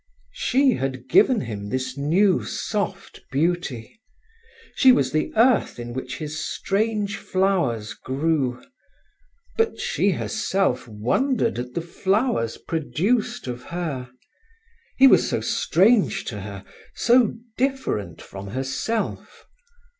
She had given him this new soft beauty. She was the earth in which his strange flowers grew. But she herself wondered at the flowers produced of her. He was so strange to her, so different from herself.